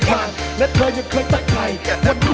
ใครมีผู้รักคิดทำร้ายเธอได้